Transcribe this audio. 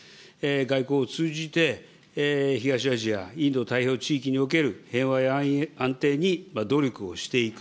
外交を通じて東アジア、インド太平洋地域における平和や安定に努力をしていく。